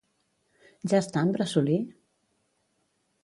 —Ja està en Bressolí?